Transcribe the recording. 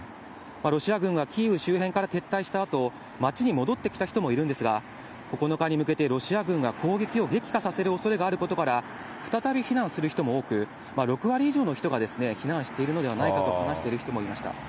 ロシア軍がキーウ周辺から撤退したあと、街に戻ってきた人もいるんですが、９日に向けてロシア軍が攻撃を激化させるおそれがあることから、再び避難する人も多く、６割以上の人が避難しているのではないかと話している人もいました。